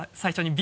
［Ｂ］